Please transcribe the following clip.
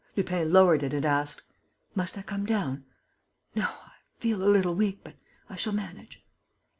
Lupin lowered it and asked: "Must I come down?" "No.... I feel a little weak ... but I shall manage."